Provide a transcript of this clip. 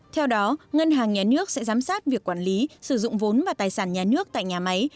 theo đó ngân hàng nhà nước sẽ giám sát việc quản lý sử dụng vốn và tài sản nhà nước tại nhà máy